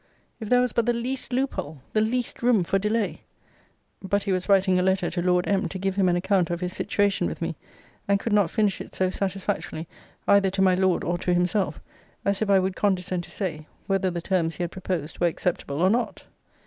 If there was but the least loop hole! the least room for delay! But he was writing a letter to Lord M. to give him an account of his situation with me, and could not finish it so satisfactorily, either to my Lord or to himself, as if I would condescend to say, whether the terms he had proposed were acceptable, or not.